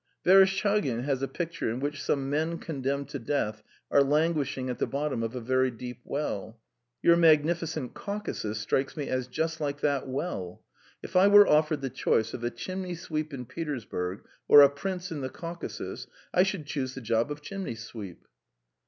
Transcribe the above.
"Vereshtchagin has a picture in which some men condemned to death are languishing at the bottom of a very deep well. Your magnificent Caucasus strikes me as just like that well. If I were offered the choice of a chimney sweep in Petersburg or a prince in the Caucasus, I should choose the job of chimney sweep."